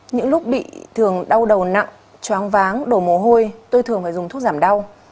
những lúc bị thường đau đầu nặng choáng váng đổ mồ hôi tôi thường phải dùng thuốc giảm đau